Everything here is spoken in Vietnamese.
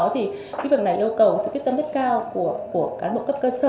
thì cái việc này yêu cầu sự quyết tâm rất cao của cán bộ cấp cơ sở